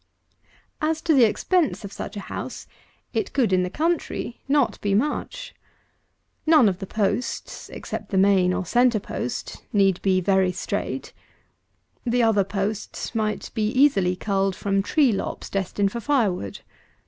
251. As to the expense of such a house, it could, in the country, not be much. None of the posts, except the main or centre post, need be very straight. The other posts might be easily culled from tree lops, destined for fire wood.